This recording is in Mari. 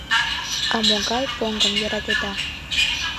— А могай поҥгым йӧратеда?